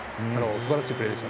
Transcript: すばらしいプレーでした。